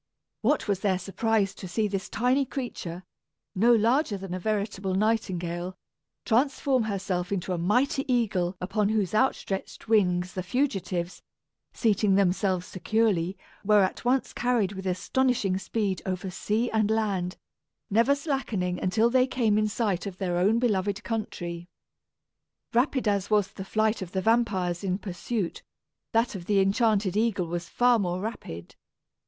What was their surprise to see this tiny creature, no larger than a veritable nightingale, transform herself into a mighty eagle upon whose outstretched wings the fugitives, seating themselves securely, were at once carried with astonishing speed over sea and land, never slackening until they came in sight of their own beloved country! Rapid as was the flight of the vampires in pursuit, that of the enchanted eagle was far more rapid.